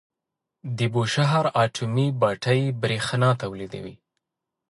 د بوشهر اټومي بټۍ بریښنا تولیدوي.